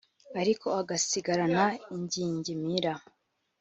ariko agasigarana ingingimira